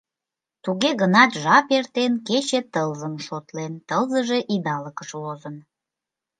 Туге гынат жап эртен, кече тылзым шотлен, тылзыже идалыкыш возын.